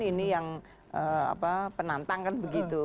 ini yang penantang kan begitu